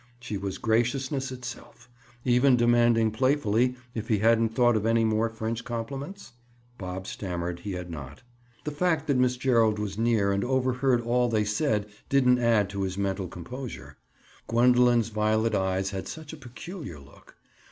She was graciousness itself, even demanding playfully if he hadn't thought of any more French compliments? Bob stammered he had not. The fact that Miss Gerald was near and overheard all they said didn't add to his mental composure. Gwendoline's violet eyes had such a peculiar look.